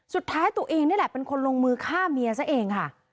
สุดท้ายตัวเองนี่แหละเป็นคนลงมือฆ่าเมียซะเองค่ะ